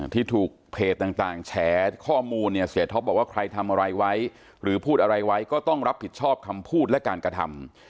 ที่ถูกเพจต่างแฉข้อมูลเนี่ยเสียท็อปบอกว่าใครทำอะไรไว้หรือพูดอะไรไว้ก็ต้องรับผิดชอบคำพูดและการกระทำ